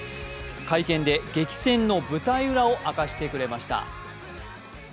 会見で激戦の舞台裏を明かしてくれました。